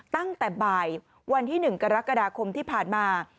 ตั้งแต่บ่ายวันที่๑กรกฎาคมที่ผ่านมา